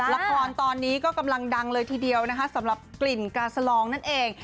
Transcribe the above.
ละครตอนนี้ก็กำลังดังเลยทีเดียวนะคะสำหรับกลิ่นกาสลองนั่นเอง